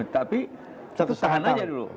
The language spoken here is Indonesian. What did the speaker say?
tapi tahan aja dulu